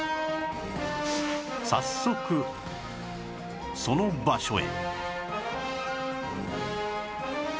早速その場所へ